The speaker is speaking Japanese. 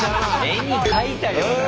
絵に描いたような。